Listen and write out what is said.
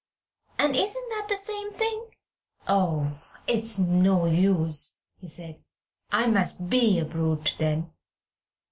"And isn't that the same thing?" "Oh! it's no use," he said, "I must be a brute then.